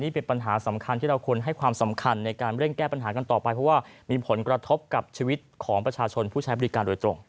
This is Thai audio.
เป็นปัญหาสำคัญที่เราควรให้ความสำคัญในการเร่งแก้ปัญหากันต่อไปเพราะว่ามีผลกระทบกับชีวิตของประชาชนผู้ใช้บริการโดยตรง